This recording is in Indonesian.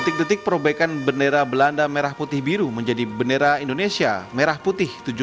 detik detik perobekan bendera belanda merah putih biru menjadi bendera indonesia merah putih